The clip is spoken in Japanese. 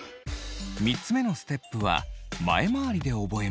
３つ目のステップは前回りで覚えます。